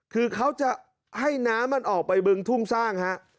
คือเขาจะให้น้ำมันออกไปบึงทุ่งสร้างฮะ